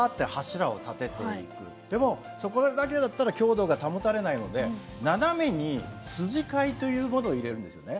でもそれだけだったら強度が保たれないので斜めに筋交いというものを入れるんですよね。